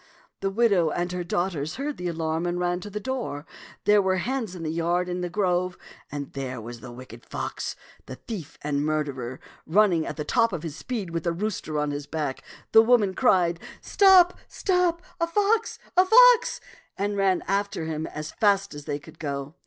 The widow and her daughters heard the alarm and ran to the door. There were the hens and the yard and the grove, and there was the wicked fox, the thief and murderer, running at the top of his speed with the rooster on his back. The women cried, " Stop, stop ! a fox, a fox!" and ran after him as fast as they could go.